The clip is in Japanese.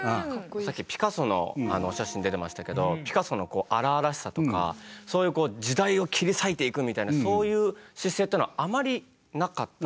さっきピカソのお写真出てましたけどピカソの荒々しさとかそういうこう時代を切り裂いていくみたいなそういう姿勢というのはあまりなかったんですか？